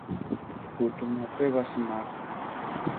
¡ʼku tumu apébasi máka!